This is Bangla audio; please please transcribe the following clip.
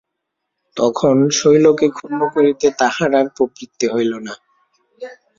তখন শৈলকে ক্ষুণ্ন করিতে তাঁহার আর প্রবৃত্তি হইল না।